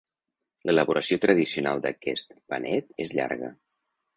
L'elaboració tradicional d'aquest panet és llarga.